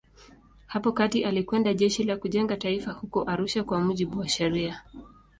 Hapo kati alikwenda Jeshi la Kujenga Taifa huko Arusha kwa mujibu wa sheria.